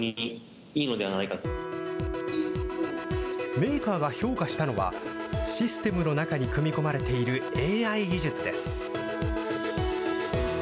メーカーが評価したのは、システムの中に組み込まれているＡＩ技術です。